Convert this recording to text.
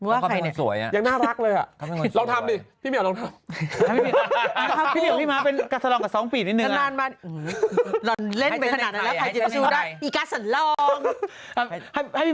ไอ้ซับ